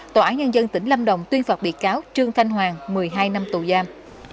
tòa án nhân dân tỉnh lâm đồng tuyên phạt bị cáo trương thanh hoàng một mươi hai năm tù giam